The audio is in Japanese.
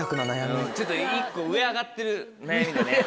ちょっと１個上上がってる悩みだね。